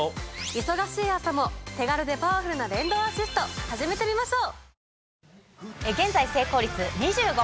忙しい朝も手軽でパワフルな電動アシスト始めてみましょう。